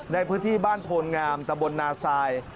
ในพื้นที่บ้านโพนงามตะบนนาซาย